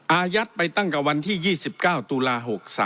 อายัดไปตั้งแต่วันที่๒๙ตุลา๖๓